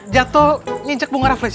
jatuh nginjek bunga raffles ya